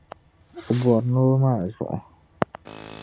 O bɔri noo maa zuɣu.